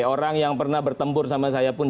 orang yang pernah bertempur sama saya pun